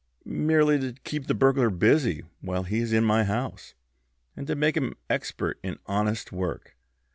"Merely to keep the burglar busy while he is in my house, and to make him expert in honest work.